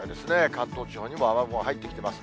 関東地方にも雨雲入ってきています。